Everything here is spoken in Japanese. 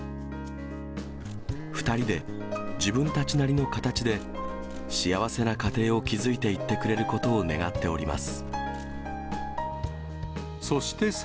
２人で自分たちなりの形で、幸せな家庭を築いていってくれることを願っております。